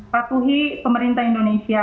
patuhi pemerintah indonesia